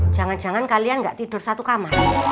jangan jangan kalian nggak tidur satu kamar